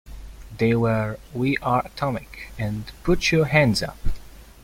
They were "We R Atomic", and "Put Ya Hands Up".